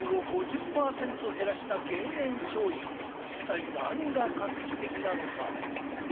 一体何が画期的なのか？